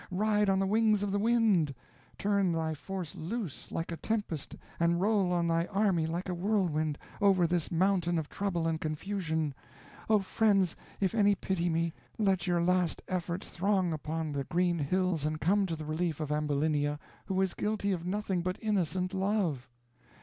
Ride on the wings of the wind! Turn thy force loose like a tempest, and roll on thy army like a whirlwind, over this mountain of trouble and confusion. Oh friends! if any pity me, let your last efforts throng upon the green hills, and come to the relief of Ambulinia, who is guilty of nothing but innocent love."